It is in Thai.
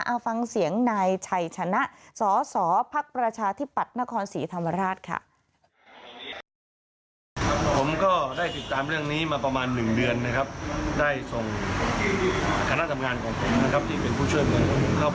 เอาฟังเสียงนายชัยชนะสสพักประชาธิปัตย์นครศรีธรรมราชค่ะ